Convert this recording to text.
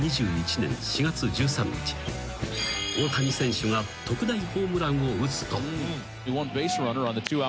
［大谷選手が特大ホームランを打つと］